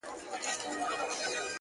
o مفت شراب قاضي لا خوړلي دي!